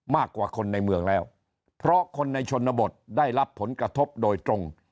มากกว่าคนในเมืองแล้วเพราะคนในชนบทได้รับผลกระทบโดยตรง